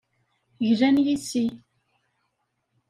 Glan yes-i.